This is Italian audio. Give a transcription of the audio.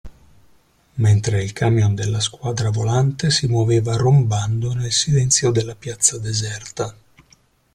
Mentre il camion della Squadra Volante si muoveva rombando nel silenzio della piazza deserta.